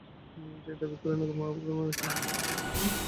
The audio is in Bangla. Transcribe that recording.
তিনি দাবি করেন, নগর মহাপরিকল্পনা অনুসরণ করে এসব প্রকল্প নেওয়া হয়েছে।